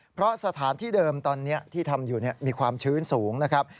เพราะสถานที่เดิมตอนนี้ที่ทำอยู่มีความชื้นสูงนะครับ